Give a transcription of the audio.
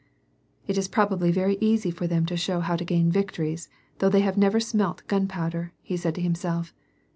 "It's probably very easy for them to show how to gain victories, though they have never smelt gunpowder," he said to himself.